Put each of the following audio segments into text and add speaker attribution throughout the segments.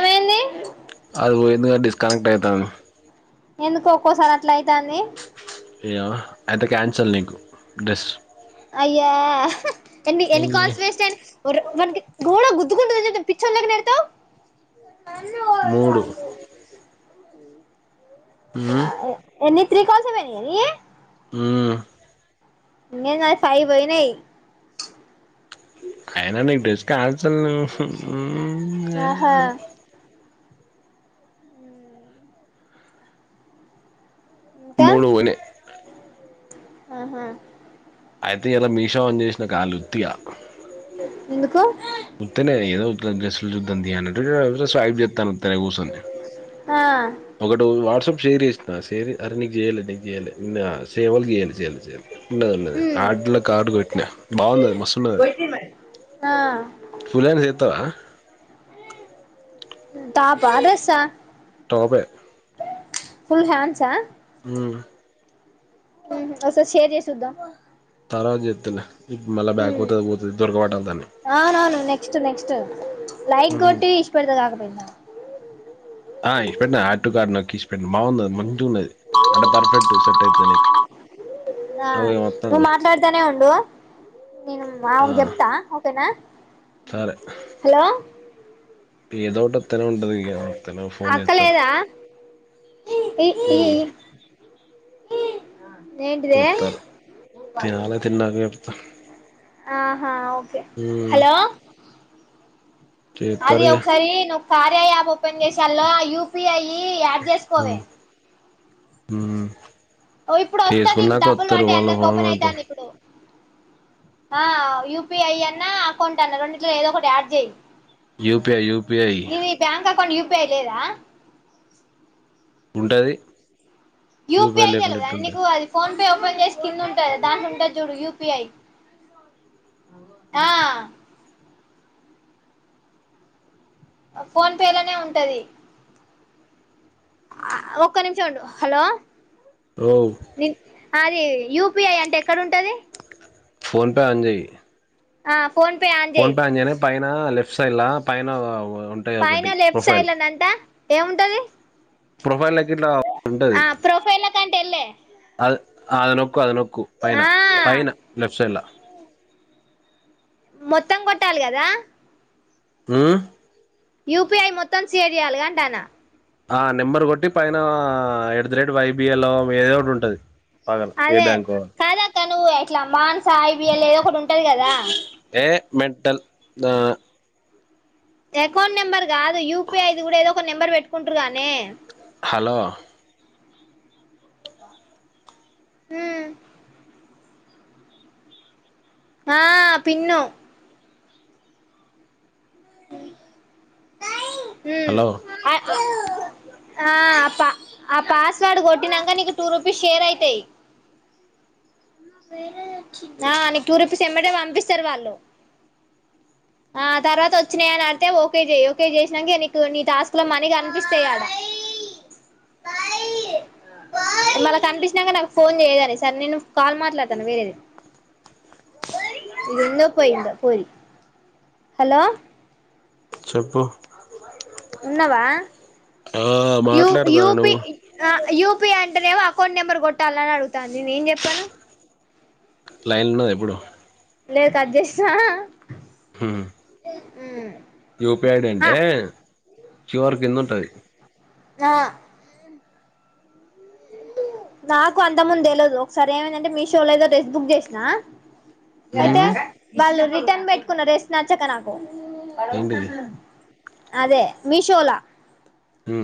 Speaker 1: ఏమైంది
Speaker 2: అది పోయిందుగా డిస్కనెక్ట్ అవుతాను
Speaker 1: ఎందుకు ఒక్కోసారి అట్లా అయితంది
Speaker 2: అయ్యో అయితే క్యాన్సల్ నీకు డ్రెస్
Speaker 1: అయ్యా ఎన్ని ఎన్ని కాల్స్ వేస్ట్యడి మనకి గోడ గుద్దుకుంట పిచ్చందకి నడతావు అ త
Speaker 2: మూడు ఉమ్,
Speaker 1: ఎన్ని త్రికస వెనీ ఏని ఏ
Speaker 2: ఉ
Speaker 1: న నా సాయి వయి నయి
Speaker 2: కాయనా న డ్రెస్ కా అ చ
Speaker 1: ఆహా ఇంకా
Speaker 2: మూడుువునే
Speaker 1: ఆహా
Speaker 2: అయితే ఇలా మీషో ఆన్ చేసిన కాలు ఉత్తిగా
Speaker 1: ఎందుకు
Speaker 2: ఉత్తనే ఏదోలు చ స్యి చెాను కూసంది
Speaker 1: ఆ
Speaker 2: ఒకటి వాట్సాప్ షేర్ చేసినా షేర్ అరే నీకు చెయ్యాలండి చేడి సే వాళ్ళకి చేయడి చేయడి చెయదిన్నదు ఆడల కార్డు కొట్టినా బాగుంది మ
Speaker 1: మ
Speaker 2: ఫుల్ హాండ్స్ ది ఎత్తవ
Speaker 1: టపా డ్రెస్ ఆ
Speaker 2: టాపే
Speaker 1: ఫుల్ హాండ్స్ ఆ
Speaker 2: ఉమ్
Speaker 1: హ్మ్ ఒకసారి షేర్ చెయ్ చూద్దాం
Speaker 2: తర్వాత చేతనే ఇప్పు మళ్ళా బ్యాక్
Speaker 1: ఉమ్
Speaker 2: పోతే పోతాది అది దొరకపట్టాలే దాన్ని
Speaker 1: అవునవును నెక్స్ట్ నెక్స్ట్ లైక్ కొట్టి ఇడసపేడితే కాకపోయిందా
Speaker 2: ఆ ఇడ్సపెట్టిన ఆటిట్యూడ్ కాట్ నొక్కి ఇట్స్ పెట్టిన మామూలుదది ఉన్నది అంటే పర్ఫెక్ట్ సెట్ అయితది నీకు
Speaker 1: ఆ
Speaker 2: అగో ఈమె
Speaker 1: నువ్వు
Speaker 2: వత్తాంది
Speaker 1: మాట్లాడుతానే ఉండు నేను మా
Speaker 2: ఆ
Speaker 1: చెప్తా ఓకేనా హలో
Speaker 2: ఏదోటీ ఆత్తనే ఉండది అత్తన ఫోన్ చేతారు
Speaker 1: పెిట్టి
Speaker 2: వతారు తినాలి తిన్నాక చెప్తా
Speaker 1: ఆహా ఓకే
Speaker 2: మ్మ్
Speaker 1: హలో అది
Speaker 2: చేత్తరు ఇగ
Speaker 1: ఒకసారి నువ్వు కార్య యాప్ ఓపెన్ ఆళ్ల యూపిఐ యాడ్ చేసుకోవే
Speaker 2: మ్మ్ మ్మ్
Speaker 1: ఓ ఇప్పుడు వస్తంది ఇప్పుడు
Speaker 2: చేసుకున్నాక
Speaker 1: డబ్బులు
Speaker 2: వత్తరు
Speaker 1: పడ్డే
Speaker 2: వాళ్ళ
Speaker 1: అందరికి
Speaker 2: ఫోన్
Speaker 1: ఓపెన్
Speaker 2: పడతాం
Speaker 1: అయితంది ఇప్పుడు ఆ యూపిఐ అన్నా అకౌంట్ అన్నా రెంట్లో ఏదో ఒకటి యాడ్ చేయి
Speaker 2: యూపిఐ యూపిఐ
Speaker 1: నిది ఈ బ్యాంక్ అకౌంట్ యయుపిఐ లేదా
Speaker 2: ఉంటది యూపిఐ
Speaker 1: యూపీఐ
Speaker 2: లేకుండా
Speaker 1: తెలవదానే
Speaker 2: ఎట్లుంటది
Speaker 1: నీకు అది ఫోన్ ఓపెన్ చేసి కింద ఉంటుంది దాంట్ ఉంటుంది చూడు యూపిఐ ఆ ఫోన్ పే లనే ఉంటది ఒక్క నిమిషం ఉండు హలో
Speaker 2: రోవు
Speaker 1: అది యూపిఐ అంటే ఎక్కడంటది
Speaker 2: ఫోన్ పే ఆన్ చెయ్
Speaker 1: ఆ ఫోన్ పే
Speaker 2: ఫోన్
Speaker 1: చేయి
Speaker 2: పే ఆన్ చేయగానే పైన లెఫ్ట్ సైడ్ ల పైన ఉంటాయి
Speaker 1: పైన
Speaker 2: ఒకటి
Speaker 1: లెఫ్ట్
Speaker 2: ప్రొఫైల్
Speaker 1: సైడ్ లంట ఏముంటది
Speaker 2: ప్రొఫైల్ గిట్ల ఉంటది
Speaker 1: ఆ ప్రొఫైల్ కంటే వెళ్ళే
Speaker 2: అది అది నొక్కు అది నొక్కు పైన
Speaker 1: ఆ
Speaker 2: పైన లెఫ్ట్ సైడ్లా
Speaker 1: మొత్తం కొట్టాలి గదా
Speaker 2: ఉమ్
Speaker 1: యూపీఐ మొత్తం షేర్ చేయాలి కదా అంటన్నా
Speaker 2: ఆ నెంబర్ కొట్టి పైన ఎడ్ ద రేట్ వైబిఎల్ మీదో ఒకటి ఉంటది పగల ఏ
Speaker 1: అదే
Speaker 2: బ్యాంకో
Speaker 1: కాదక్క నువ్వు అట్లా మానస ఐబీఎల్ ఏదో ఒకటి ఉంటది కదా
Speaker 2: ఏ మెంటల్ ఆ
Speaker 1: అకౌంట్ నెంబర్ కాదు యూపిఐ ఇది కూడా ఏదో ఒక నెంబర్ పెట్టుకుంటుారు కాదనే
Speaker 2: హలో
Speaker 1: హ్మ్ ఆ పిన్ను కాయి
Speaker 2: హలో
Speaker 1: ఉమ్ అ ఆ పా పాస్ ర్డ్ కొట్టినాక నీ టూ రుపీస్ షేర్ అయితాయి ఆ నీకు టు రుపీస్ ఏంబడే పంపిస్తారు వాళ్ళు ఆ తర్వాత వచ్చినాయిని అంటే ఓకే చెయి ఓకే చేసినాక నీకు నీ టాస్క్ లో మనీ అనిపిస్తాయి ఆడ మళ్ళ కనిపించినాక నాకు ఫోన్ చేయదని సార్ నేను కల్ మాట్లాతన వేర ఏది ఇది ఇందో పోయి ఇ పోరి హలో
Speaker 2: చెప్పు
Speaker 1: ఉన్నావా
Speaker 2: ఆ
Speaker 1: యూ
Speaker 2: మాట్లాడతాను నువ్వు
Speaker 1: యూ పి అంటేనేమో అకౌంట్ నెంబర్ కొట్టాలని అడుగుతంది న నేను చెప్పాను
Speaker 2: లైన్లో ఎప్పుడు
Speaker 1: లేదు కట్ చేసిన
Speaker 2: హ
Speaker 1: ఉ
Speaker 2: యూపిఐ ఐడి అంటే క్యూర్ కింద ఉంటది
Speaker 1: ఆ నాకు అంత ముందు తెలియదు ఒకసారి ఏమందంటే మీషోలో ఏదో డ్రెస్ బుక్ చేసిన అయితే
Speaker 2: ఉమ్
Speaker 1: వాళ్ళు రిటర్న్ పెట్టుకున్నారు డ్రెస్ నచ్చక నాకు
Speaker 2: ఏంటిది
Speaker 1: అదే మీషోలా
Speaker 2: హ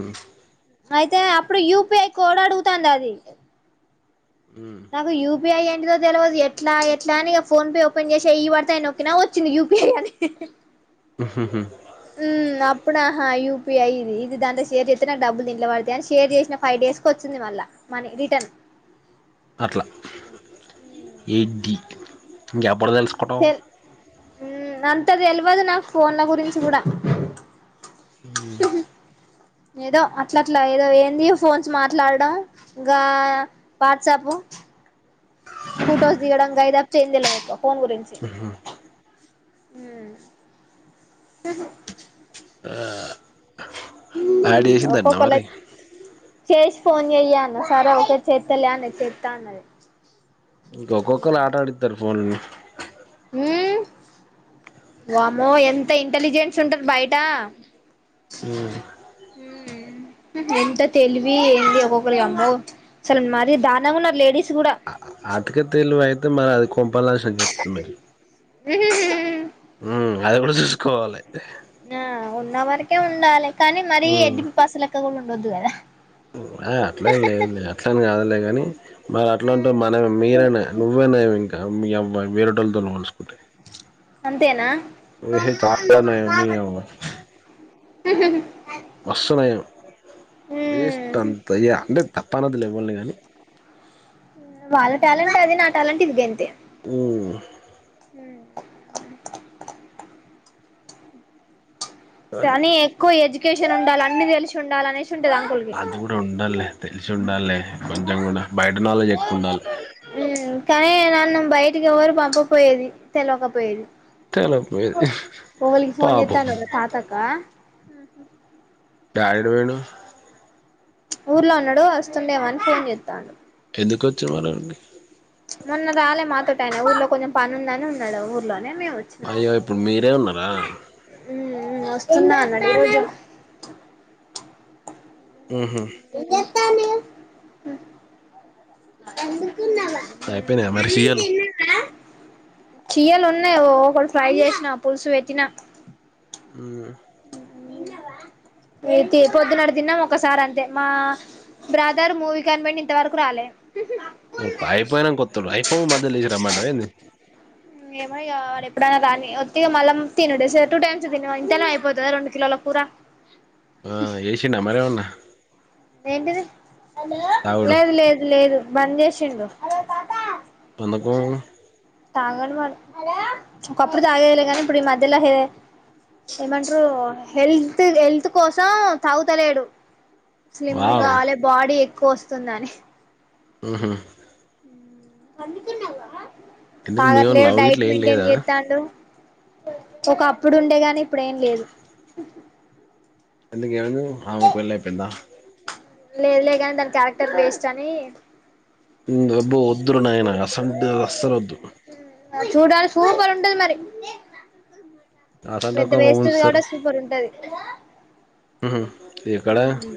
Speaker 1: అయితే అప్పుడు యూపిఐ కోడ్ ఆడుగుతంది అది
Speaker 2: ఉమ్
Speaker 1: నాకు యూపీఏ ఏంటిదొ తెలియదు ఎట్లా ఎట్లా అని ఫోన్ పే ఓపెన్ చేసా ఈ పడతతేయన నోకినా వచ్చింది యూపీఐ అది
Speaker 2: హహుమ్
Speaker 1: అప్పుడు ఆహా యుపీఐ ఇది ఇది దాంలో షేర్ చేస్తే నాకు డబ్బులు దేంట్లో పడతాయి అని షేర్ చేసిన ఫైవ డేస్ వచ్చింది మళ్ళ మనీ రిటర్న్
Speaker 2: అట్లా ఎడ్డీ ఇంకెప్పుడు తెలుసుకోటవు
Speaker 1: తెల్ అంత తెలియదు నాకు ఫోన్ల గురించి కూడా
Speaker 2: అ
Speaker 1: ఏదో అట్ల అట్లా ఏదో ఏంది ఫోన్స్ మాట్లాడడం ఇంకా వాట్సాప్ చేంజలాకు ఫోన్ గురించి హ
Speaker 2: యాడ్ చేసింది అంటా
Speaker 1: ఒక్కొక్కళ
Speaker 2: మరి
Speaker 1: చేసి ఫోన్ చెయ్యను సరే ఒక చెత్తలే అని చెత్తా అన్నది
Speaker 2: ఇంక ఒక్కొక్కళ్రు ఆట ఆడిస్తారు ఫోన్లో
Speaker 1: వామో ఎంత ఇంటలిజెన్స్ ఉంటది బయట
Speaker 2: అ
Speaker 1: ఎంత తెలివి ఏంది ఒక్కొక్కరి అమ్బో అసలు మరి దానంగా ఉన్నారు లేడీస్ కూడా
Speaker 2: అటుక తెలివి అయితే మరి అది కొంపలు నాశనం చేస్తాది అది
Speaker 1: ఉ
Speaker 2: ఉ అది కూడా చూసుకోవాలి
Speaker 1: ఆ ఉన్న వరకే ఉండాలి కానీ మరీ ఎడమి [inaudible] లెక్క కూడా ఉండొద్దు కదా
Speaker 2: అ అట్లే లేదు లేదు అట్లనే కాదులే కానీ మరి అట్లాంటే మన మీరేనా నువ్వేనా ఇంకా మీ అ వేరటోలతోని పోల్స్సుకుంటాయి
Speaker 1: అంతేనా
Speaker 2: చాలా నయం నీ యవ్వ వస్తున్నాయి వేస్ట్ అంతయ అంటే తప్ప అన్నదిలు ఇవ్వి కానీ
Speaker 1: వాళ్ళ ట్యాలెంట్ అది నా ట్యాలెంట్ ఇది గంతే
Speaker 2: ఉమ్
Speaker 1: హ
Speaker 2: అట్ట
Speaker 1: కానీ ఎక్కువ ఎడ్యుకేషన్ ఉండాలి అన్ని తెలిసి ఉండాలినే
Speaker 2: అది గూడా ఉండాల్లే తెల్సి ఉండాల్లే కొంచెం గూడా. బయట నాలెడ్జ్ ఎక్కువ ఉండాలే.
Speaker 1: కానీ నన్ను బయటికి ఎవరు పంపక్పోయేది తెల్వకపోయేది.
Speaker 2: తెలవకపోయేది
Speaker 1: ఎవళికి ఫోన్
Speaker 2: పాపం
Speaker 1: చెత్తానవ్ రా తాతకా.
Speaker 2: డాడి ఎటు పోయిండు.
Speaker 1: ప్చ్ ఊర్లో ఉన్నడూ వస్తుండేమొ అని ఫోన్ చేత్తాండు.
Speaker 2: ఎందుక్ వచ్చి [unintelligible] అండి
Speaker 1: ప్చ్ మొన్న రాలే మాతోటాయన ఊర్లో కొంచెం పని ఉందని ఉన్నడు ఊర్లో.
Speaker 2: అయ్యో ఇప్పుడు మీరే ఉన్నరా.
Speaker 1: ఊ వస్తున్నా అన్నడు ఈ రోజు.
Speaker 2: ఊహు
Speaker 1: చాల ఎ
Speaker 2: అయిపొయినా మరి షీాయలు
Speaker 1: ఛీయలు ఉన్నయ్ ఓకొన్ని ఫ్రై చేశినా, పుల్సు పెట్టినా.
Speaker 2: ఊ
Speaker 1: ఐతే పొద్దున్నడు తిన్నం ఒక్కసారి అంతే మా బ్రదర్ మూవీ కని పోయిండు ఇంత వరకు రాలే.
Speaker 2: అయిపోయినంక వొత్తడు. అయిఫో మధ్యల్లేచి రమ్మంటవ ఏంది.
Speaker 1: ఒత్తి ఇగా మళ్లం తినుడే సే టూ టైమ్స్ తిను ఇంతల్నే అయిపోతదా రెండు కిలోల కూరా.
Speaker 2: ఆ ఏశిండా మరి ఏమన్నా.
Speaker 1: ఏంటిది
Speaker 2: తాగుడు
Speaker 1: లేదు లేదు లేదు బంజేశిండు.
Speaker 2: [unintelligible]
Speaker 1: తాగడు మరి. ఒకప్పుడు తాగేదిలే గానీ ఇప్పుడు ఈ మధ్యలో హే ఏమంట్రూ హెల్త్ హెల్త్ కోసం తాగుత లేడు. స్లిమ్
Speaker 2: వావ్
Speaker 1: గావాలే బాడీ ఎక్కువ వస్తుందని.
Speaker 2: ఊహు ఎందుకు మీవోని
Speaker 1: తాగట్లేడు
Speaker 2: లవ్ గిట్ల
Speaker 1: డైట్
Speaker 2: ఏం
Speaker 1: మెయింటైన్
Speaker 2: లేదా
Speaker 1: చేత్తాండు. ఒకప్పుడుండేగాని ఇప్పుడేం లేదు.
Speaker 2: ఎందుక్ ఏమైందీ ఆమెకు పెళ్ళై పోయిందా.
Speaker 1: లేదు లే గాని దాని క్యారెక్టర్ వేస్ట్ అనీ.
Speaker 2: అబ్బో వద్దురో నాయనా అస్సంటిది అస్సల్ వద్దు.
Speaker 1: చూడాలి సూపర్ ఉంటది మరి. పెద్ద
Speaker 2: అసంటోకామె
Speaker 1: వేస్టి ది
Speaker 2: ఉంచుతరు
Speaker 1: కాబట్టే సూపర్ ఉంటది.
Speaker 2: ఉహు ఇక్కడ
Speaker 1: ఊ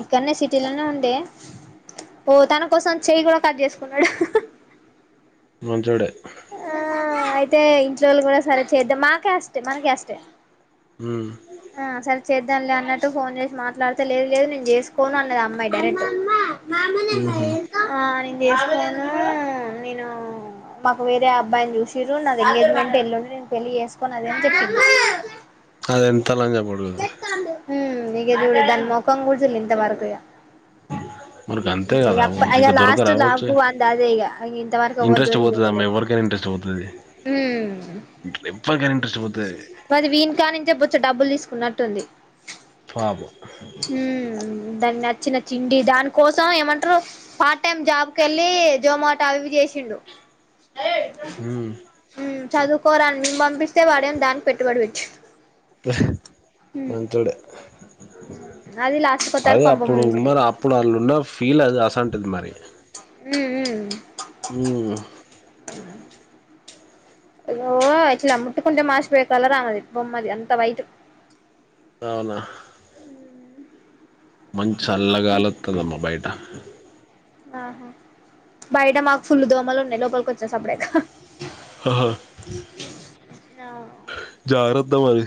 Speaker 1: ఇక్కడనే సిటీలోనే ఉండే. ఓ తన కోసం చెయ్యి కూడా కట్ చేసుకున్నడు.
Speaker 2: మంచోడే.
Speaker 1: తే ఇంట్లోళ్ళు గూడా సరే చేద్దాం మా క్యాస్టే మన క్యాస్టే.
Speaker 2: ఊహ్
Speaker 1: ఆ సరే చేద్దాంలే అన్నట్టు ఫోన్ చేసి మాట్లాడితే, లేదు లేదు నేన్ చేసుకోను అన్నది ఆ అమ్మాయి డైరెక్ట్.
Speaker 2: ఉహు
Speaker 1: ఆ నేను చేసుకోనూ నేనూ. మాకు వేరే అబ్బాయిని చూసిర్రు నాది ఎంగేజ్మెంట్ ఎల్లుండి నేను పెళ్ళి చేసుకోను అదని చెప్పింది.
Speaker 2: కాదు ఎంత! ! ! ! ! ! ! ! ! ! అది.
Speaker 1: హ్ము ఇగ చూడు దాని మొఖం కూడా చూడలే ఇంత వరకు ఇగ.
Speaker 2: మరి గంతె
Speaker 1: ఇగ
Speaker 2: గదా
Speaker 1: అప్ప
Speaker 2: [unintelligible]
Speaker 1: ఇగ
Speaker 2: ఇక దొరక
Speaker 1: లాస్ట్
Speaker 2: రావొచ్చే.
Speaker 1: లావు అంది అదే ఇగ ఇంతవరకు ఎవ్వరి
Speaker 2: ఇంట్రెస్ట్ పోతది అమ్మే ఎవరికైనా. ఇంట్రెస్ట్ పోతది. ఎవ్వరికైనా
Speaker 1: హ్మూ
Speaker 2: ఇంట్రెస్ట్ పోతది
Speaker 1: అది వీన్నీ కాడి నుంచే బొచ్చెడ్ డబ్బులు తీసుకున్నట్టుంది.
Speaker 2: పాబు
Speaker 1: దానికి నచ్చిన చిండి దాని కోసం ఏమంటారు పార్ట్ టైమ్ జాబ్ కెళ్ళి జోమోట్ టావి చేసిండు
Speaker 2: ఉ
Speaker 1: చదువుకోరా అని మేమ్ పంపిస్తే వాడేమ్ దానికి పెట్టుబడి పెట్టిండు.
Speaker 2: మంచోడే
Speaker 1: అది లాస్ట్ కొత్తరకు
Speaker 2: అదే
Speaker 1: కొంప
Speaker 2: అప్పుడు
Speaker 1: ముంచింది
Speaker 2: వున్నారు అప్పుడు ఆలున్న ఫీల్ అది అసంటిది మరి.
Speaker 1: ఉ ఉ
Speaker 2: ఉ
Speaker 1: ఇగో ఇట్లా ముట్టుకుంటే మాసిపోయే కలర్ ఆమెది బొమ్మది అంత వైటు.
Speaker 2: అవునా మంచ్ చల్లగాలోత్తదమ్మ బయటా
Speaker 1: ఆహా బయట మాక్ ఫుల్లు దోమలు ఉన్నాయి లోపలికి వచ్చేసా అప్పుడే.
Speaker 2: హా జాగ్రత్త మరి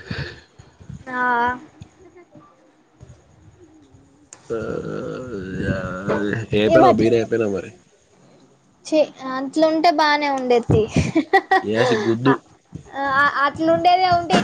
Speaker 1: ఆ
Speaker 2: ఆ యా ఏపీనావ్ బీర్ ఏపీనవ్ మరి
Speaker 1: చె అట్లంటే బాన్ ఉండేది తి
Speaker 2: యాసి
Speaker 1: అ
Speaker 2: గుద్దు
Speaker 1: అ అట్లుండేదే ఉంటే